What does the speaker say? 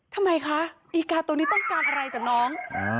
ทำไมคะอีกาตัวนี้ต้องการอะไรจากน้อง